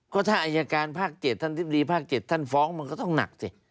ก็ถ้าอายการภาค๗ท่านอธิบดีภาค๗ท่านฟ้องมันก็ต้องหนักสิ